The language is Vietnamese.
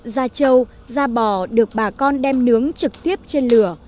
gia châu gia bò được bà con đem nướng trực tiếp trên lửa